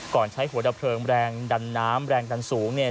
ใช้หัวดับเพลิงแรงดันน้ำแรงดันสูงเนี่ย